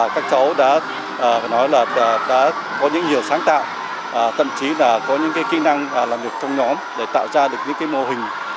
các cháu đã có những hiệu sáng tạo thậm chí là có những kỹ năng làm được công nhóm để tạo ra được những mô hình